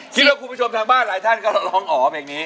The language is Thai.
คุณผู้ชมทางบ้านหลายท่านก็ร้องอ๋อเพลงนี้